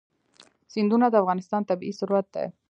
سیندونه د افغانستان طبعي ثروت دی.